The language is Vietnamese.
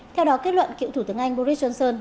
theo đó kết luận cựu thủ tướng anh boris johnson